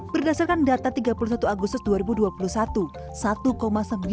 berdasarkan data tiga puluh satu agustus dua ribu dua puluh satu